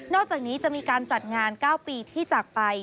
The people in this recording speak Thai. อกจากนี้จะมีการจัดงาน๙ปีที่จากไป